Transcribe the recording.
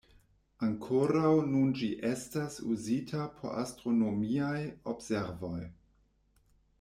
Ankoraŭ nun ĝi estas uzita por astronomiaj observoj.